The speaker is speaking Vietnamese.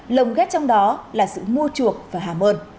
lồng ghét trong đó là sự mua chuộc và hàm ơn